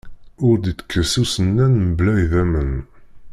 Ur d-itekkes usennan mebla idammen.